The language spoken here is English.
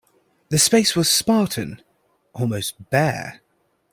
The space was spartan, almost bare.